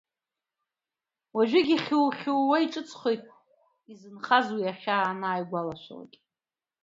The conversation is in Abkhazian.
Уажәыгь ихьухьууа иҿыцхоит изынхаз уи ахьаа, ианааигәалашәалак.